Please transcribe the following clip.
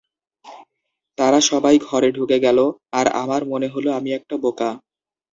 তারা সবাই ঘরে ঢুকে গেল, আর আমার মনে হল আমি একটা বোকা।